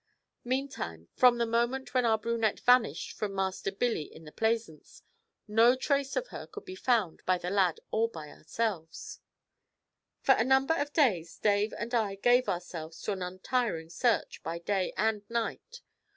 Meantime, from the moment when our brunette vanished from Master Billy in the Plaisance, no trace of her could be found by the lad or by ourselves. For a number of days Dave and I gave ourselves to an untiring search, by day and night.